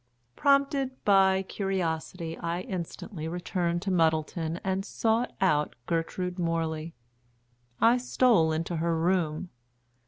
Prompted by curiosity, I instantly returned to Muddleton and sought out Gertrude Morley. I stole into her room.